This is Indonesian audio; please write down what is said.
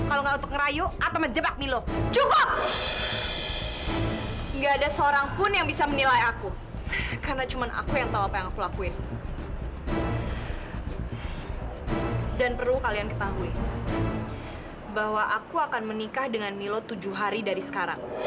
aku punya cara lain yang lebih bagus untuk bangunin dia